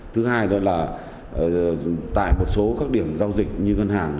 thứ hai tại một số các điểm giao dịch như ngân hàng